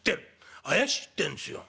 怪しいってんですよ。